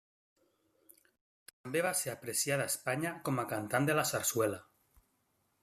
També va ser apreciada a Espanya com a cantant de la sarsuela.